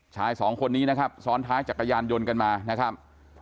ชายสองคนนี้นะครับซ้อนท้ายจักรยานยนต์กันมานะครับ